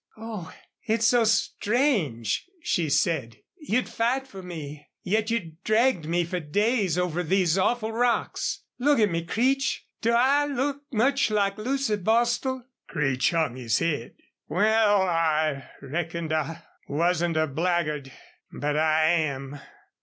"Oh, it's so strange!" she said. "You'd fight for me. Yet you dragged me for days over these awful rocks! ... Look at me, Creech. Do I look much like Lucy Bostil?" Creech hung his head. "Wal, I reckoned I wasn't a blackguard, but I AM."